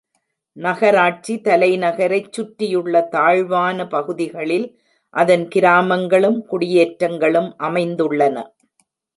நகராட்சி தலைநகரைச் சுற்றியுள்ள தாழ்வான பகுதிகளில் அதன் கிராமங்களும் குடியேற்றங்களும் அமைந்துள்ளன.